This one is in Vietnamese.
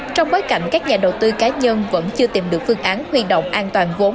trong bối cảnh các nhà đầu tư cá nhân vẫn chưa tìm được phương án huy động an toàn vốn